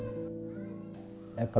karena membantu orang tua mencari nafkah